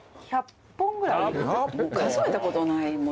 数えたことない。